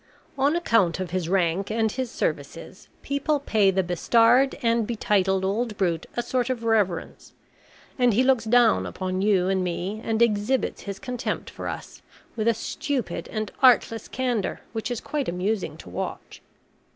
On account of his rank and his services, people pay the bestarred and betitled old brute a sort of reverence; and he looks down upon you and me, and exhibits his contempt for us, with a stupid and artless candour which is quite amusing to watch.